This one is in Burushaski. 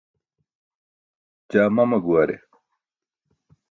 Jaa mama guware.